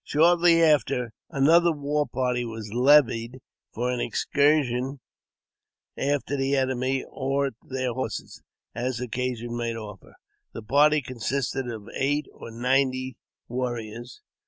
Shortly after, another war party was levied for an excursion after the enemy, or their horses, as occasion might offer. The party consisted of eighty or ninety warriors.